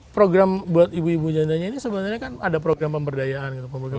program buat ibu ibu jandanya ini sebenarnya kan ada program pemberdayaan gitu